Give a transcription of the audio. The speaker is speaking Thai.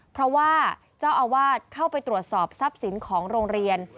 เพราะว่าเจ้าอาวาสเข้าไปตรวจสอบทรัพย์สินของโรงเรียน